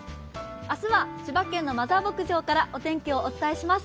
明日は千葉県のマザー牧場からお天気をお伝えします。